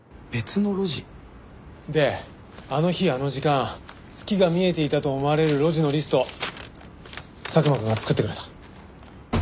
であの日あの時間月が見えていたと思われる路地のリスト佐久間くんが作ってくれた。